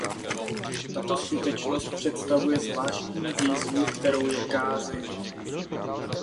Tato skutečnost představuje zvláštní výzvu, kterou je kázeň.